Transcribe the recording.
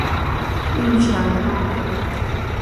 裕誠路